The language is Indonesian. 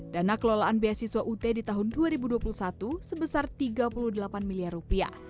dana kelolaan beasiswa ut di tahun dua ribu dua puluh satu sebesar rp tiga puluh delapan miliar rupiah